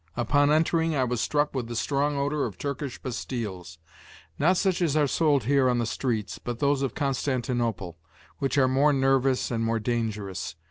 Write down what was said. Upon entering I was struck with the strong odor of Turkish pastilles, not such as are sold here on the streets, but those of Constantinople, which are more nervous and more dangerous.